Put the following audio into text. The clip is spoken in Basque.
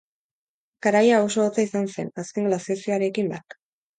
Garai hau oso hotza izan zen, azken glaziazioarekin bat.